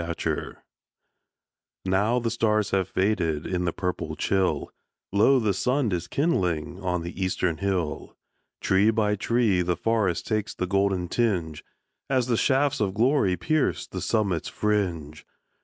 At Sunrise Now the stars have faded In the purple chill, Lo, the sun is kindling On the eastern hill. Tree by tree the forest Takes the golden tinge, As the shafts of glory Pierce the summit's fringe.